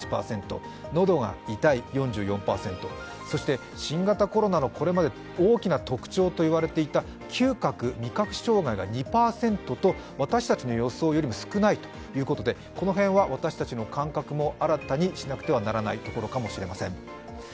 そして新型コロナのこれまで大きな特徴といわれていた嗅覚味覚障害が２％と私たちの予想よりも少ないということでこの辺は私たちの感覚も新たにしなくてはならないところかもしれません。